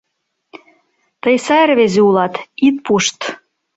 Тый сай рвезе улат, ит пушт.